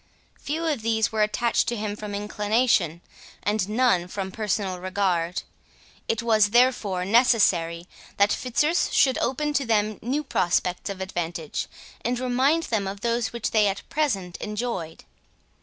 Few of these were attached to him from inclination, and none from personal regard. It was therefore necessary, that Fitzurse should open to them new prospects of advantage, and remind them of those which they at present enjoyed.